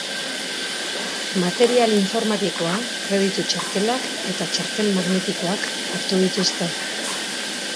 Material informatikoa, kreditu txartelak eta txartel magnetikoak hartu dituzte.